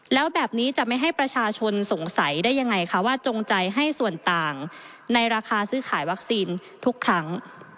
แล้วแบบนี้จะไม่ให้ประชาชนสงสัยได้ยังไงคะว่าจงใจให้ส่วนต่างในราคาซื้อขายวัคซีนทุกครั้ง